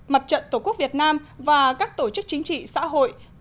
mặt trận tổ quốc việt nam và các tổ chức chính trị xã hội